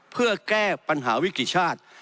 เพื่อแก้ปัญหาวิกฤติชาติ